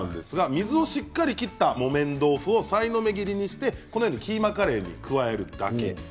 水をしっかり切った木綿豆腐をさいの目切りにしてこのようにキーマカレーに加えるだけです。